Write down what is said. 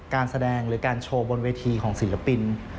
การแสดงหรือการโชว์บนเวทีของศิลปิน